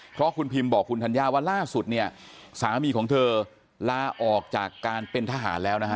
เพราะคุณพิมบอกคุณธัญญาว่าล่าสุดเนี่ยสามีของเธอลาออกจากการเป็นทหารแล้วนะฮะ